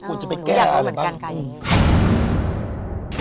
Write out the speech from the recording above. ควรจะไปแก้อะไรบ้างคุณอืมอเรนนี่อยากเอาเหมือนกัน